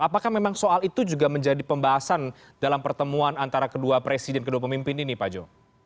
apakah memang soal itu juga menjadi pembahasan dalam pertemuan antara kedua presiden kedua pemimpin ini pak jo